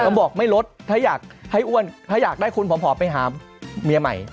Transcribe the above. ผมบอกไม่ลดถ้าอยากให้อ้วนถ้าอยากได้คุณผมขอไปหาเมียใหม่